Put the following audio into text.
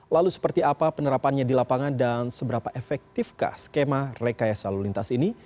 lalu seperti apa penerapannya di lapangan dan seberapa efektifkah skema rekayasa lalu lintas ini